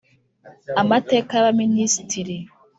Amateka ya ba Minisitiri